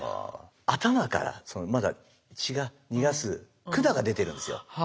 頭からまだ血を逃がす管が出てるんですよ。